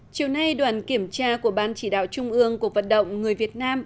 chiều nay đoàn kiểm tra của ban chỉ đạo trung ương cuộc vận động người việt nam